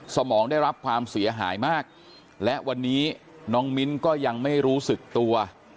สมองได้รับความเสียหายมากและวันนี้น้องมิ้นก็ยังไม่รู้สึกตัว